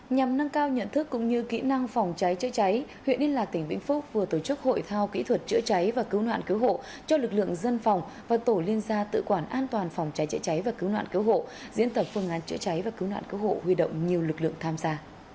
nhằm nâng cao nhận thức cũng như kỹ năng phòng cháy chữa cháy huyện yên lạc tỉnh vĩnh phúc vừa tổ chức hội thao kỹ thuật chữa cháy và cứu nạn cứu hộ cho lực lượng dân phòng và tổ liên gia tự quản an toàn phòng cháy chữa cháy và cứu nạn cứu hộ diễn tập phương án chữa cháy và cứu nạn cứu hộ huy động nhiều lực lượng tham gia